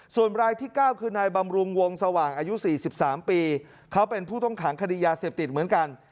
ส่วนรายที่๙คือนายบำรุงวงสว่างอายุ๔๓ปีเขาเป็นผู้ต้องขังคดียาเสพติดเหมือนกัน